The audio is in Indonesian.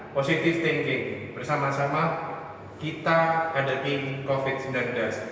positive thinking bersama sama kita hadapi covid sembilan belas